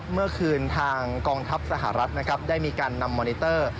เมื่อคืนทางกองทัพสหรัฐนะครับได้มีการนำมอนิเตอร์